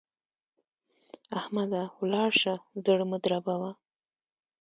احمده! ولاړ شه؛ زړه مه دربوه.